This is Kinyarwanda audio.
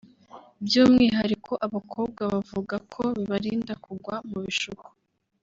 by’umwihariko abakobwa bavuga ko bibarinda kugwa mu bishuko